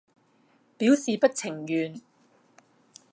表示不情願